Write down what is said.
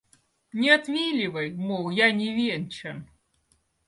Не отвиливай — мол, я не венчан.